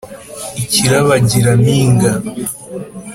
i kirabagira-mpinga